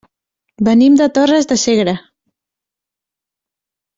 Venim de Torres de Segre.